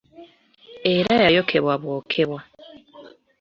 Era yayokebwa bwokebwa.